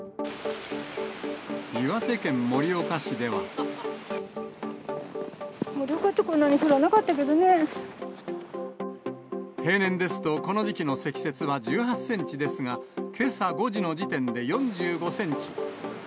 盛岡ってこんなに降らなかっ平年ですと、この時期の積雪は１８センチですが、けさ５時の時点で４５センチ。